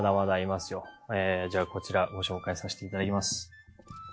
じゃあこちらご紹介させていただきます。